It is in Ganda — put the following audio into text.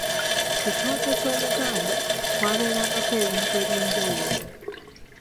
Ku kyoto ky'Omuganda, kwabeerangako ebintu eby'enjawulo.